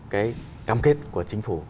cái cam kết của chính phủ